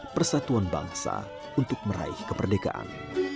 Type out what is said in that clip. persatuan bangsa untuk meraih kemerdekaan